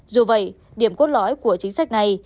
dù vậy điểm cốt lõi của chính sách này